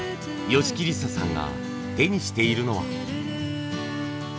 吉木りささんが手にしているのは。